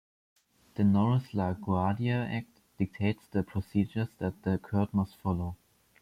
The Norris-LaGuardia Act dictates the procedures that the court must follow.